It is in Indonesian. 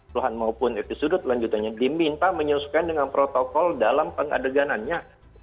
lahan maupun episode lanjutannya diminta menyusukan dengan protokol dalam pengadeganannya